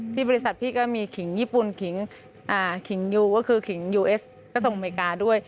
บริษัทพี่ก็มีขิงญี่ปุ่นขิงขิงยูก็คือขิงยูเอสก็ส่งอเมริกาด้วย